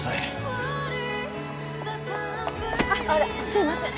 すいません。